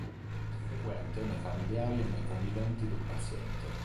È frequente nei familiari e nei conviventi del paziente.